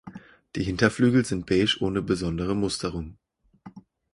Die Hinterflügel sind beige ohne besondere Musterung.